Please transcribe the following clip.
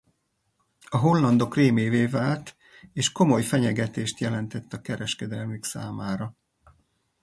A hollandok rémévé vált és komoly fenyegetést jelentett a kereskedelmük számára.